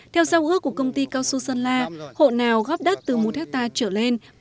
theo giao ước của công ty cao su sơn la hộ nào góp đất từ một hectare trở lên